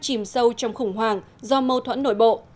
chìm sâu trong khủng hoảng do mâu thuẫn nội bộ